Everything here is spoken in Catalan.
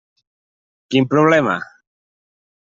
Quin problema?